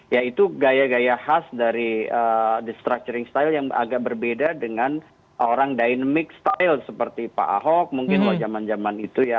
ya itu gaya gaya khas dari destructuring style yang agak berbeda dengan orang dynamic style seperti pak ahok mungkin jaman jaman itu ya